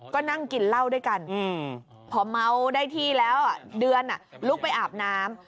ก็นั่งกินเหล้าด้วยกันพอเมาได้ที่แล้วเดือนลุกไปอาบน้ำ